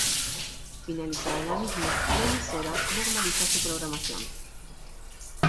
Finalizada la misma, la emisora normaliza su programación.